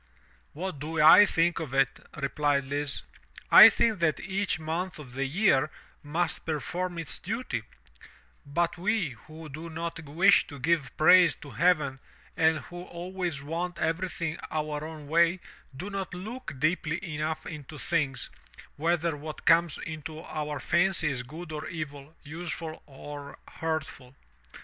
"What do I think of it?" replied Lise, "I think that each month of the year must perform its duty, but we who do not wish to give praise to heaven and who always want everything our own way do not look deeply enough into things, whether what comes into our fancy is good or evil, useful or hurtful.